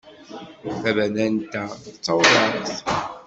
Tabanant-a d tawraɣt.